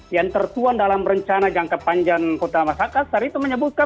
yang tertuan dalam rencana jangka panjang kota makassar itu menyebutkan